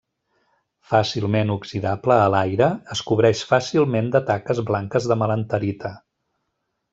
Fàcilment oxidable a l’aire, es cobreix fàcilment de taques blanques de melanterita.